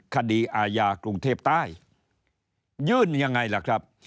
คดีอาญากรุงเทพใต้ยื่นยังไงล่ะครับ